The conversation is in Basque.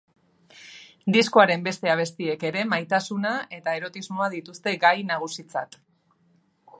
Diskoaren beste abestiek ere maitasuna eta erotismoa dituzte gai nagusitzat.